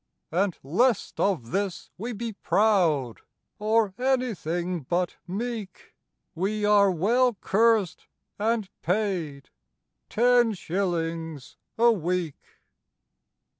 "And lest of this we be proud Or anything but meek, We are well cursed and paid— Ten shillings a week!"